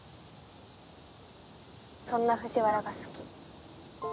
そんな藤原が好き。